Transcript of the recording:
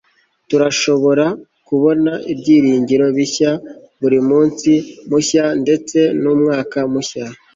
turashobora kubona ibyiringiro bishya buri munsi mushya ndetse n'umwaka mushya